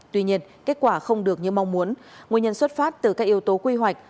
tuy nhiên kết quả không được như mong muốn nguyên nhân xuất phát từ các yếu tố quy hoạch